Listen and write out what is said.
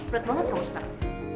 berat banget kamu sekarang